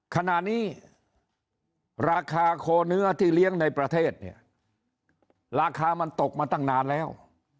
ขณะนี้ราคาโคเนื้อที่เลี้ยงในประเทศเนี่ยราคามันตกมาตั้งนานแล้ว